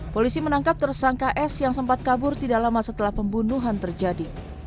polisi menangkap tersangka s yang sempat kabur tidak lama setelah pembunuhan terjadi